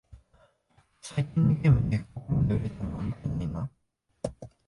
最近のゲームでここまで売れたのは見てないな